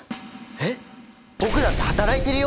えっ！？